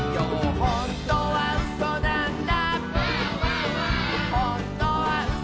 「ほんとにうそなんだ」